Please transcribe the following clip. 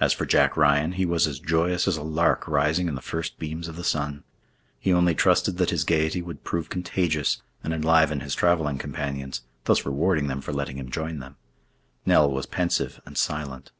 As for Jack Ryan, he was as joyous as a lark rising in the first beams of the sun. He only trusted that his gayety would prove contagious, and enliven his traveling companions, thus rewarding them for letting him join them. Nell was pensive and silent.